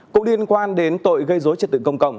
cũng liên quan đến tội gây dối trật tự công cộng